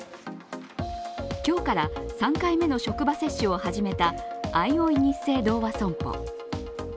今日から３回目の職場接種を始めたあいおいニッセイ同和損保。